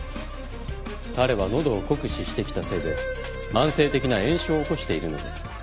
彼は喉を酷使してきたせいで慢性的な炎症を起こしているのです。